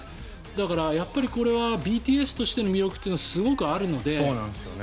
だから、やっぱりこれはＢＴＳとしての魅力はすごくあるので。